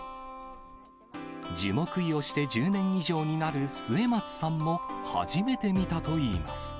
樹木医をして１０年以上になる末松さんも、初めて見たといいます。